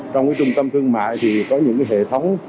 trong trung tâm thương mại thì có những hệ thống